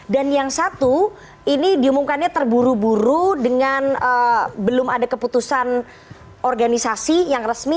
dan yang satu ini diumumkannya terburu buru dengan belum ada keputusan organisasi yang resmi